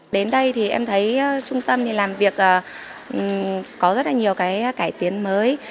đến đây thì em thấy trung tâm thì làm việc có rất là nhiều cái cải tiến mới